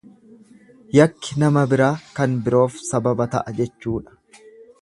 Yakki nama biraa kan biroof sababa ta'a jechuudha.